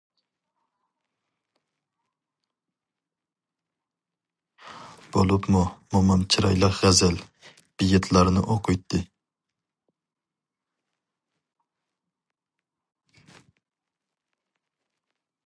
بولۇپمۇ مومام چىرايلىق غەزەل، بېيىتلارنى ئوقۇيتتى.